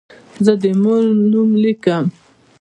زه د مور نوم لیکم.